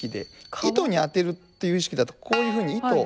糸に当てるという意識だとこういうふうに糸。